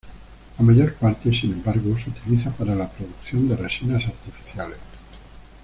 La mayor parte sin embargo se utiliza para la producción de resinas artificiales.